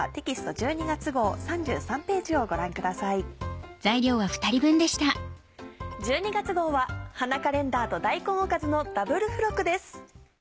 １２月号は「花カレンダー」と「大根おかず」のダブル付録です。